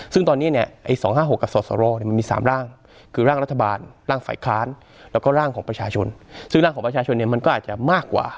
ซึ่งตอนนี้เนี่ยไอ้๒๕๖กับสสรมันมี๓ร่างคือร่างรัฐบาลร่างฝ่ายค้านแล้วก็ร่างของประชาชนซึ่งร่างของประชาชนเนี่ยมันก็อาจจะมากกว่า